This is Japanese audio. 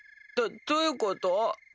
どどういうこと？